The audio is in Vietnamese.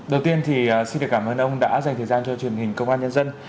đầu tiên thì xin được cảm ơn ông đã dành thời gian cho truyền hình công an nhân dân